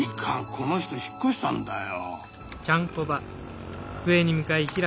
この人引っ越したんだよ。